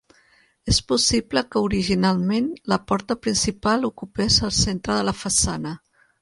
És possible que originalment la porta principal ocupés el centre de la façana.